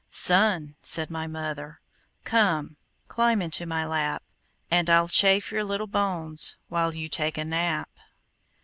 "Son," said my mother, "Come, climb into my lap, And I'll chafe your little bones While you take a nap."